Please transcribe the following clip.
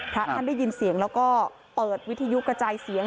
พระท่านได้ยินเสียงแล้วก็เปิดวิทยุกระจายเสียง